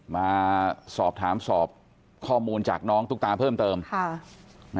มาสอบถามสอบข้อมูลจากน้องตุ๊กตาเพิ่มเติม